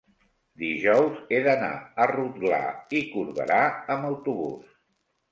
Dijous he d'anar a Rotglà i Corberà amb autobús.